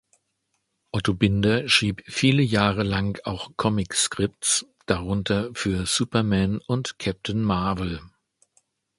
Otto Binder schrieb viele Jahre lang auch Comic-Scripts, darunter für Superman und Captain Marvel.